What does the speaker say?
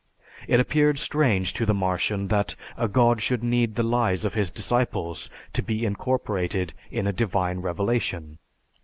It appeared strange to the Martian that a god should need the lies of his disciples to be incorporated in a divine revelation.